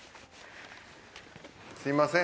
すみません